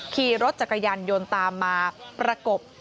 ขี่รถจักรยานยนต์ตามมาประกบ